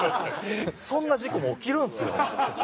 そんな事故も起きるんですよ本当。